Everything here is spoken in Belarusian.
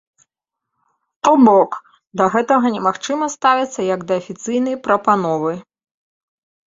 То бок, да гэтага немагчыма ставіцца як да афіцыйнай прапановы.